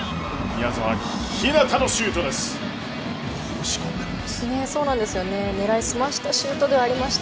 宮澤ひなたのシュートです。